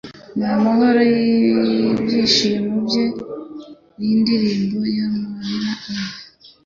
N'amahoro y'ibyishimo bye n'indirimbo y'amarira ye